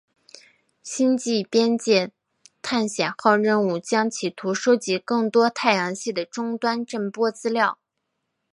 星际边界探险号任务将企图收集更多太阳系的终端震波资料。